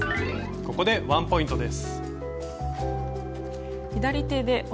ここでワンポイントです。